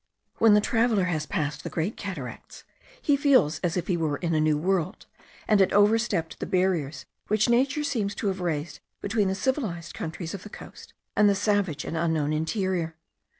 When the traveller has passed the Great Cataracts, he feels as if he were in a new world, and had overstepped the barriers which nature seems to have raised between the civilized countries of the coast and the savage and unknown interior.